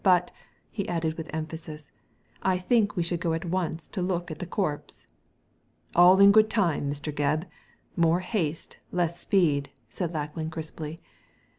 But," he added with emphasis, " I think we should go at once and look at the corpse." •* All in good time, Mr. Gebb. More haste, less speed !" said Lackland, crisply.